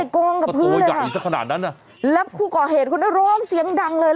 ล้มไปกรงกับพื้นเลยฮะก็ตัวใหญ่สักขนาดนั้นน่ะแล้วผู้ก่อเหตุคนนั้นล้มเสียงดังเลย